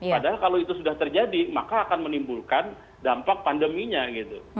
padahal kalau itu sudah terjadi maka akan menimbulkan dampak pandeminya gitu